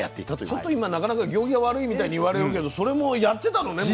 ちょっと今なかなか行儀が悪いみたいに言われるけどそれもやってたのね。